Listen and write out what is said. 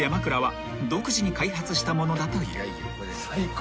最高。